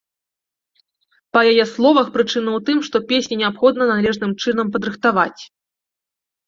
Па яе словах, прычына ў тым, што песні неабходна належным чынам падрыхтаваць.